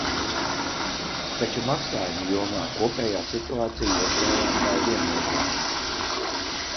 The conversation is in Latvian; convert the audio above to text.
Taču maksājumu jomā kopējā situācija joprojām nav viennozīmīga.